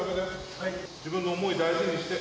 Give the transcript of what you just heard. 自分の思い大事にして。